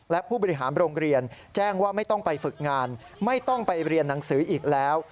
และผู้บริหารโรงเรียนแจ้งว่าไม่ต้องไปฝึกงานไม่ต้องไปเรียนหนังสืออีกแล้ว